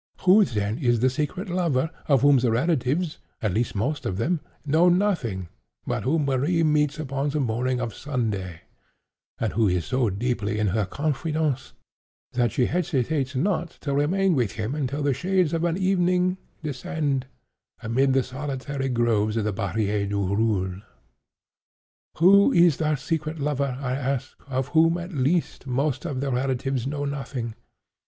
Who, then, is the secret lover, of whom the relatives (at least most of them) know nothing, but whom Marie meets upon the morning of Sunday, and who is so deeply in her confidence, that she hesitates not to remain with him until the shades of the evening descend, amid the solitary groves of the Barrière du Roule? Who is that secret lover, I ask, of whom, at least, most of the relatives know nothing?